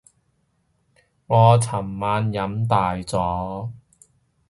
我尋晚飲大咗